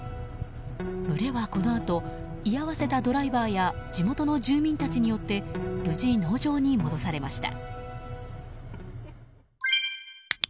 群れは、このあと居合わせたドライバーや地元の住民たちによって無事、農場に戻されました。